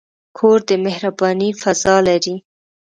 کور د مهربانۍ فضاء لري.